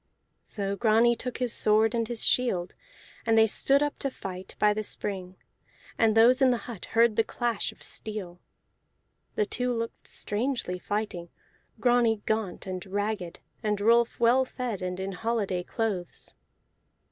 So Grani took his sword and his shield, and they stood up to fight by the spring and those in the hut heard the clash of steel. The two looked strangely fighting, Grani gaunt and ragged, and Rolf well fed and in holiday clothes.